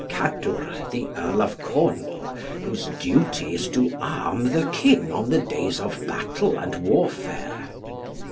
"Kadwr, the Earl of Cornwall, whose duty is to arm the King on the days of battle and warfare."